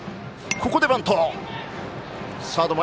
ここでバント！